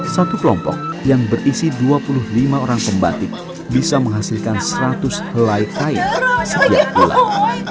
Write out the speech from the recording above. satu kelompok yang berisi dua puluh lima orang pembatik bisa menghasilkan seratus helai kain setiap bulan